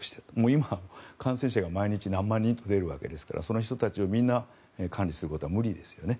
今は感染者が毎日何万人と出るわけですからその人たちをみんな管理することは無理ですよね。